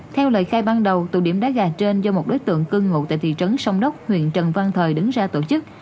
theo lời khai ban đầu tụ điểm đá gà trên do một đối tượng cưng ngụ tại thị trấn sông đốc huyện trần văn thời đứng ra tổ chức